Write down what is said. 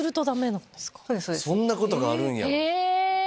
そんなことがあるんや！